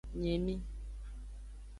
Nye emi.